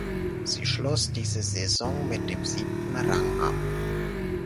Sie schloss diese Saison mit dem siebten Rang ab.